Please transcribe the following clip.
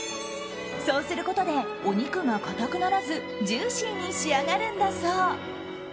そうすることでお肉が硬くならずジューシーに仕上がるんだそう。